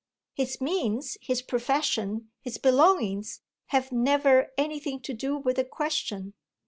His means, his profession, his belongings have never anything to do with the question.